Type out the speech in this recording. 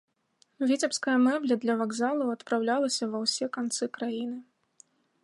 Віцебская мэбля для вакзалаў адпраўлялася ва ўсе канцы краіны.